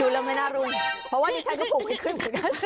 ดูแล้วไม่น่ารุ่นเพราะว่านี่ฉันก็ปลูกไม่ขึ้น